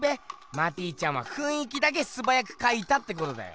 マティちゃんは「ふんい気」だけすばやく描いたってことだよ！